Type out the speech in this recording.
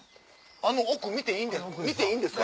あの奥見ていいんですか？